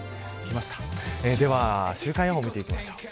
では週間予報を見てきましょう。